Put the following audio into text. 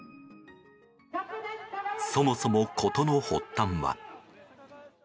そもそも、事の発端は。